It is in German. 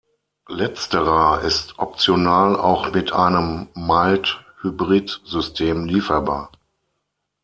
Letzterer ist optional auch mit einem „Mild Hybrid“-System lieferbar.